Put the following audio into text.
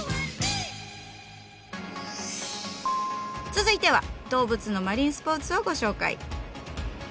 続いては動物のマリンスポーツをご紹介。